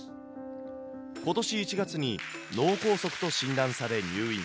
ことし１月に脳梗塞と診断され入院。